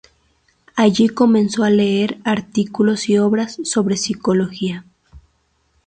Allí comenzó a leer artículos y obras sobre Psicología.